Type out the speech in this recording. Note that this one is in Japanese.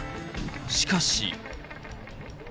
しかし。